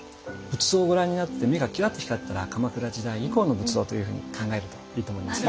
仏像をご覧になって目がキラッと光ったら鎌倉時代以降の仏像というふうに考えるといいと思います。